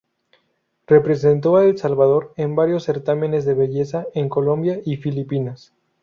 Representó a El Salvador en varios certámenes de belleza en Colombia y Filipinas.